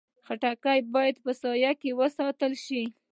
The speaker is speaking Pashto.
خټکی باید په سایه کې وساتل شي.